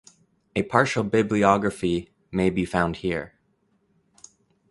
A partial bibliography may be found here.